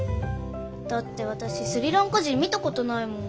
だって私スリランカ人見たことないもん。